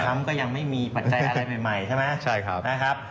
ก็ยังไม่มีปัจจัยอะไรใหม่ใช่ไหมใช่ครับนะครับ